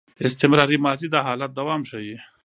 استمراري ماضي د حالت دوام ښيي.